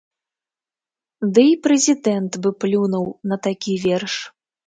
Дый прэзідэнт бы плюнуў на такі верш.